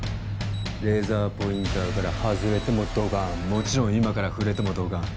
レーザーポインターから外れてもドカンもちろん今から触れてもドカン。